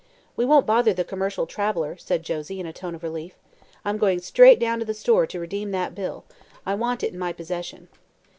"We won't bother the commercial traveler," said Josie, in a tone of relief. "I'm going straight down to the store to redeem that bill. I want it in my possession."